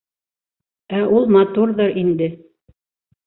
Ә ул матурҙыр инде.